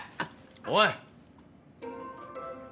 おい！